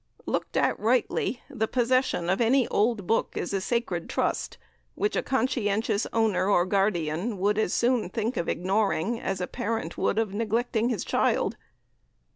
Looked at rightly, the possession of any old book is a sacred trust, which a conscientious owner or guardian would as soon think of ignoring as a parent would of neglecting his child.